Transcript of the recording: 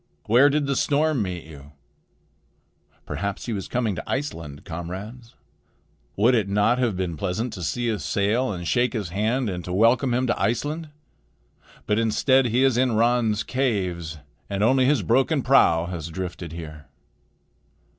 Where did the storm meet you? Perhaps he was coming to Iceland, comrades. Would it not have been pleasant to see his sail and to shake his hand and to welcome him to Iceland? But instead he is in Ran's caves, and only his broken prow has drifted here."